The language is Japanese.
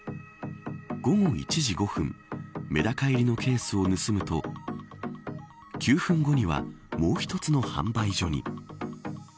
午後１時５分メダカ入りのケースを盗むと９分後にはもう一つの販売所に。